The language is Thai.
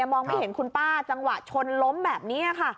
มองไม่เห็นคุณป้าจังหวะชนล้มแบบนี้ค่ะ